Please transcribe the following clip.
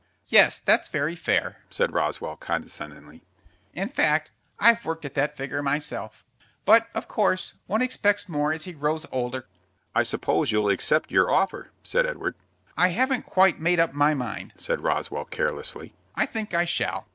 "Yes, that's very fair," said Roswell, condescendingly. "In fact, I've worked at that figure myself; but, of course, one expects more as he grows older." "I suppose you'll accept your offer," said Edward. "I haven't quite made up my mind," said Roswell, carelessly. "I think I shall."